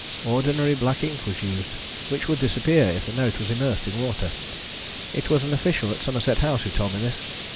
Ordinary black ink was used, which would disappear if the note was immersed in water. It was an official at Somerset House who told me this.